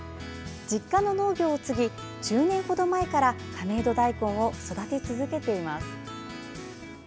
実家の農業を継ぎ１０年ほど前から亀戸だいこんを育て続けています。